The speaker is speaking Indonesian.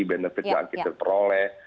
benefit yang kita peroleh